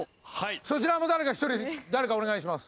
そちらも誰か１人誰かお願いします。